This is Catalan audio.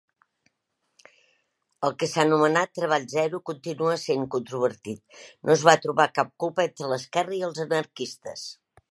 El que s'ha anomenat "treball zero" continua sent controvertit no es va trobar cap culpa.entre l'esquerra i els anarquistes.